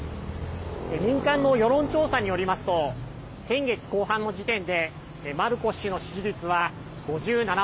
民間の世論調査によりますと先月後半の時点でマルコス氏の支持率は５７％。